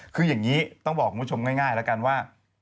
คืออย่างนี้ต้องบอกคุณผู้ชมง่ายแล้วกันว่า